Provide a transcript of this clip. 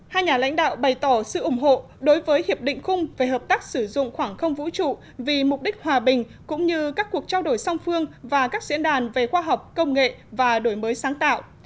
hai nhà lãnh đạo bày tỏ sự ủng hộ đối với hiệp định khung về hợp tác sử dụng khoảng không vũ trụ vì mục đích hòa bình cũng như các cuộc trao đổi song phương và các diễn đàn về khoa học công nghệ và đổi mới sáng tạo